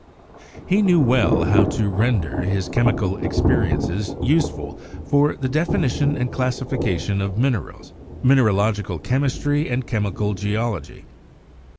He knew well how to render his chemical experiences useful for the definition and classification of minerals, and thereby laid the foundation of mineralogical chemistry and chemical geology.